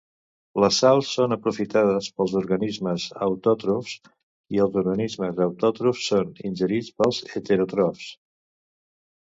Les sals són aprofitades pels organismes autòtrofs, i els organismes autòtrofs són ingerits pels heteròtrofs.